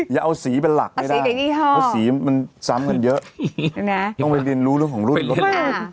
อย่าเอาสีเป็นหลักเลยนะเพราะสีมันซ้ำกันเยอะต้องไปเรียนรู้เรื่องของรุ่นรถเลย